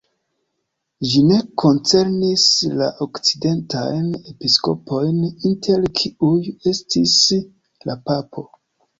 Ĝi ne koncernis la okcidentajn episkopojn, inter kiuj estis la papo.